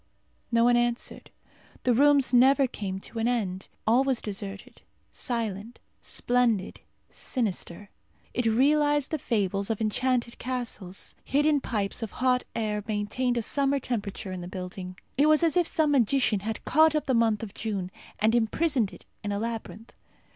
No one answered. The rooms never came to an end. All was deserted, silent, splendid, sinister. It realized the fables of enchanted castles. Hidden pipes of hot air maintained a summer temperature in the building. It was as if some magician had caught up the month of June and imprisoned it in a labyrinth.